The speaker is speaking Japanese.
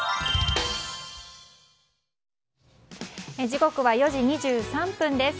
時刻は４時２３分です。